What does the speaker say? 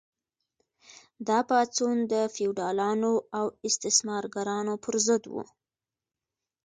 دا پاڅون د فیوډالانو او استثمارګرانو پر ضد و.